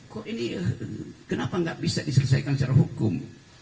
kok ini kenapa gak bisa diselesaikan secara hukum